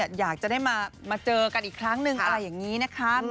อยากจะได้มาเจอกันอีกครั้งหนึ่งอะไรอย่างนี้นะคะ